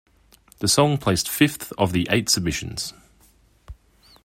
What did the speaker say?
The song placed fifth of the eight submissions.